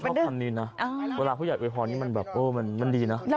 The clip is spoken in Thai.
ชอบคำนี้นะเวลาผู้ใหญ่โยยพรนี่มันดีนะ